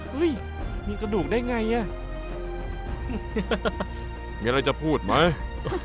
หรออุ๊ยมีกระดูกได้ไงน้ำยังไรจะพูดไหม